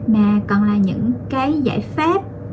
mà còn là những cái giải pháp